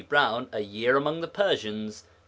Browne, A Year among the Persians, p.